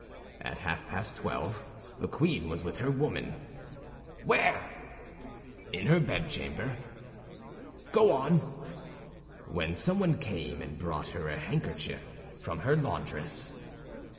"At half past twelve the queen was with her women—" "Where?" "In her bedchamber—" "Go on." "When someone came and brought her a handkerchief from her laundress."